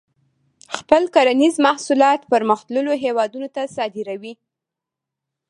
خپل کرنیز محصولات پرمختللو هیوادونو ته صادروي.